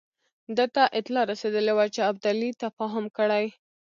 ده ته اطلاع رسېدلې وه چې ابدالي تفاهم کړی.